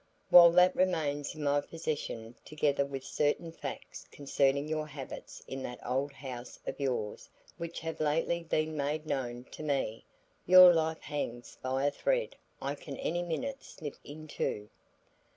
"While that remains in my possession together with certain facts concerning your habits in that old house of yours which have lately been made known to me, your life hangs by a thread I can any minute snip in two.